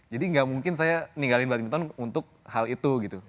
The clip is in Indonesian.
jadi gak mungkin saya ninggalin badminton untuk hal itu gitu